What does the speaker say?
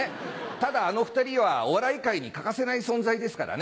ただあの２人はお笑い界に欠かせない存在ですからね。